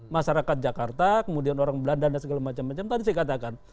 masyarakat jakarta kemudian orang belanda dan segala macam macam tadi saya katakan